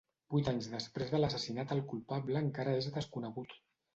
Vint anys després de l’assassinat el culpable encara és desconegut.